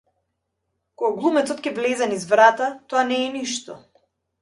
Кога глумецот ќе влезе низ врата, тоа не е ништо.